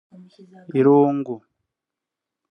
irungu